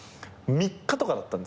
３日とかだったんですよ。